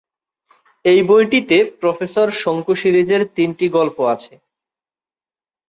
এই বইটিতে প্রোফেসর শঙ্কু সিরিজের তিনটি গল্প আছে।